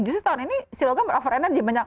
justru tahun ini si logam over energy banyak